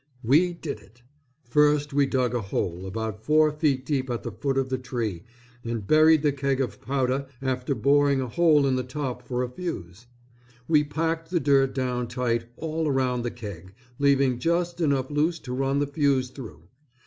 We did it. First we dug a hole about four feet deep at the foot of the tree and buried the keg of powder after boring a hole in the top for a fuse. We packed the dirt down tight all around the keg leaving just enough loose to run the fuse through.